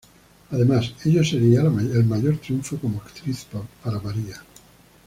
Además, ello sería el mayor triunfo como actriz para María.